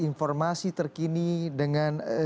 informasi terkini dengan